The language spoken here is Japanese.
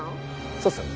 そうっすよね？